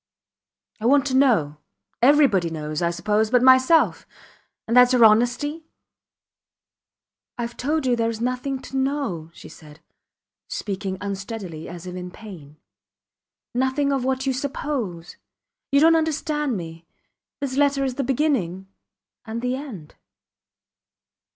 I want to know. Everybody knows, I suppose, but myself and thats your honesty! I have told you there is nothing to know, she said, speaking unsteadily as if in pain. Nothing of what you suppose. You dont understand me. This letter is the beginning and the end.